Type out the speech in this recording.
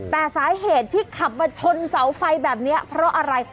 แต่สาเหตุที่ขับมาชนเสาไฟแบบนี้เพราะอะไร